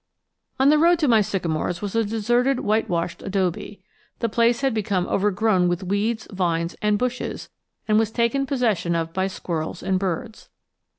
On the road to my sycamores was a deserted whitewashed adobe. The place had become overgrown with weeds, vines, and bushes, and was taken possession of by squirrels and birds.